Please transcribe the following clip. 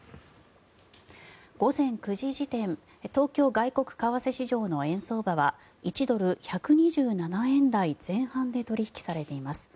午前９時時点東京外国為替市場の円相場は１ドル＝１２７円台前半で取引されています。